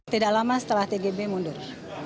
tidak lama setelah tgb mundur